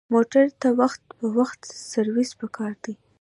موټر ته وخت په وخت سروس پکار دی.